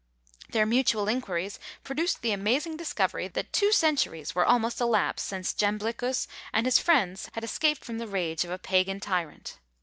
Their mutual inquiries produced the amazing discovery, that two centuries were almost elapsed since Jamblichus and his friends had escaped from the rage of a Pagan tyrant.